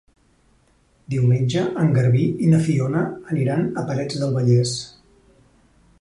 Diumenge en Garbí i na Fiona aniran a Parets del Vallès.